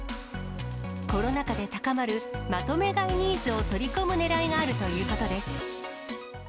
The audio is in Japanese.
コロナ禍で高まる、まとめ買いニーズを取り込むねらいがあるということです。